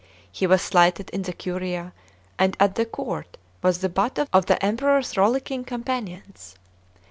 He was slighted in the curia, and at the court was the butt of the Emperor's rollicking com panions.